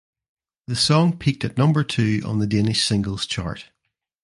The song peaked at number two on the Danish Singles Chart.